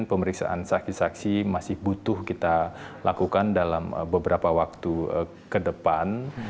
pemeriksaan saksi saksi masih butuh kita lakukan dalam beberapa waktu ke depan